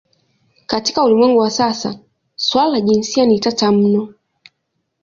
Katika ulimwengu wa sasa suala la jinsia ni tata mno.